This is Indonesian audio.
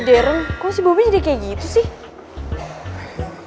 kok si bobi jadi kayak gitu sih